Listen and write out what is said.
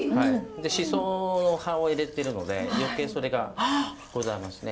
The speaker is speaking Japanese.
しその葉を入れてるので余計それがございますね。